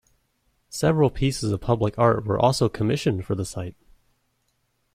Several pieces of public art were also commissioned for the site.